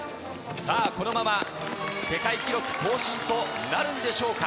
さあ、このまま世界記録更新となるんでしょうか。